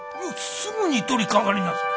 すぐに取りかかりなさい！